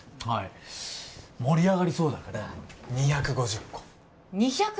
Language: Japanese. はい盛り上がりそうだから２５０個２５０！